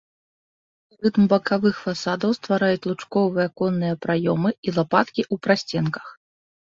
Рытм бакавых фасадаў ствараюць лучковыя аконныя праёмы і лапаткі ў прасценках.